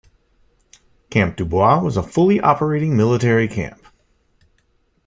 Camp Dubois was a fully operating military camp.